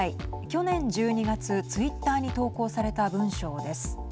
去年１２月、ツイッターに投稿された文章です。